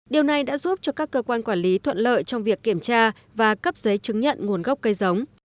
điều này đã giúp cho các cơ quan quản lý thuận lợi trong việc kiểm tra và cấp giấy chứng nhận nguồn gốc cây giống